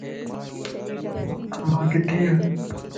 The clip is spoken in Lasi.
امان ڪٿيءَ؟